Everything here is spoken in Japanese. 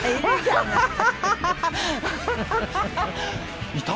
いた？